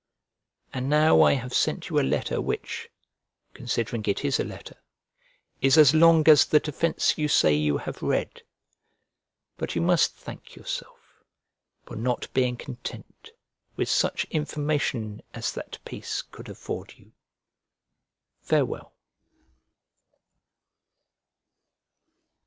And now I have sent you a letter which (considering it is a letter) is as long as the defence you say you have read: but you must thank yourself for not being content with such information as that piece could afford you. Farewell.